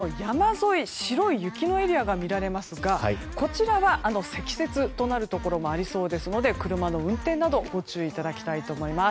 ただ、北部の山沿い白い雪のエリアが見られますがこちらは積雪となるところもありそうですので車の運転などご注意いただきたいと思います。